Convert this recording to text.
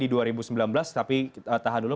di dua ribu sembilan belas tapi tahan dulu